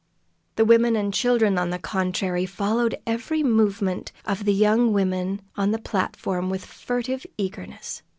The women and children, on the contrary, followed every movement of the young women on the platform with furtive eagerness.